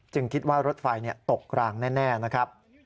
คิดว่ารถไฟตกรางแน่นะครับ